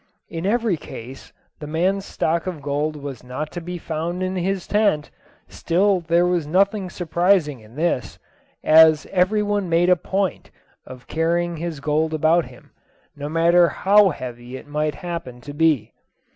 In every case the man's stock of gold was not to be found in his tent; still there was nothing surprising in this, as every one made a point of carrying his gold about him, no matter how heavy it might happen to be.